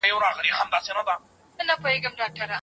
بشري قوانین باید عادلانه وي.